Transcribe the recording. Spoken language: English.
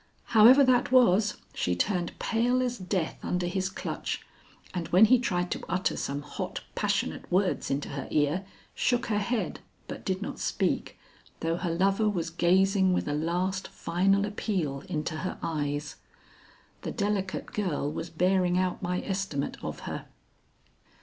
However that was, she turned pale as death under his clutch, and, when he tried to utter some hot, passionate words into her ear, shook her head, but did not speak, though her lover was gazing with a last, final appeal into her eyes. The delicate girl was bearing out my estimate of her.